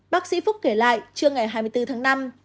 bác sĩ phúc kể lại trưa ngày hai mươi bốn tháng năm